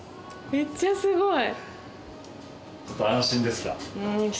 めっちゃすごい。